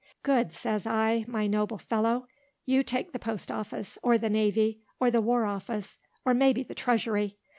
Good, says I, my noble fellow! You take the post office; or the navy; or the war office; or may be the treasury.